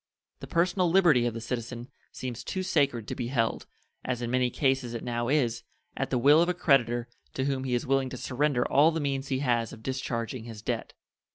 The personal liberty of the citizen seems too sacred to be held, as in many cases it now is, at the will of a creditor to whom he is willing to surrender all the means he has of discharging his debt.